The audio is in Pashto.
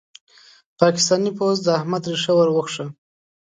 پاکستاني پوځ د احمد ريښه ور وکښه.